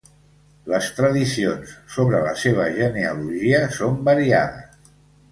Les tradicions sobre la seva genealogia són variades.